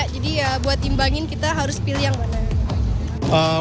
jadi ya buat imbangin kita harus pilih yang mana